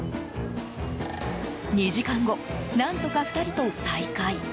２時間後、何とか２人と再会。